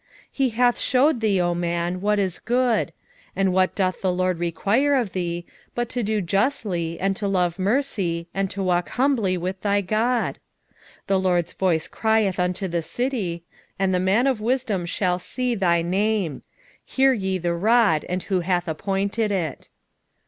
6:8 He hath shewed thee, O man, what is good; and what doth the LORD require of thee, but to do justly, and to love mercy, and to walk humbly with thy God? 6:9 The LORD's voice crieth unto the city, and the man of wisdom shall see thy name: hear ye the rod, and who hath appointed it.